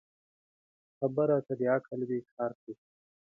خبره که د عقل وي، کار کوي